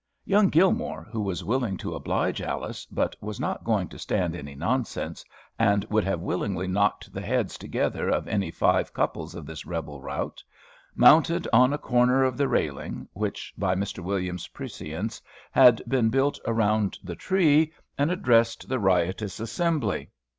Young Gilmore, who was willing to oblige Alice, but was not going to stand any nonsense, and would have willingly knocked the heads together of any five couples of this rebel rout, mounted on a corner of the railing, which, by Mr. Williams's prescience had been built around the tree, and addressed the riotous assembly.